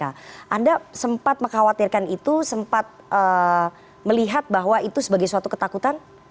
anda sempat mengkhawatirkan itu sempat melihat bahwa itu sebagai suatu ketakutan